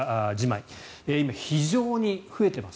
今、非常に増えています。